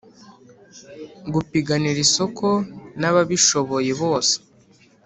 gupiganira isoko n'ababishoboye bose